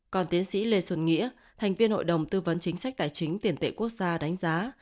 còn tiến sĩ lê xuân nghĩa thành viên hội đồng tư vấn chính sách tài chính tiền tệ quốc gia đánh giá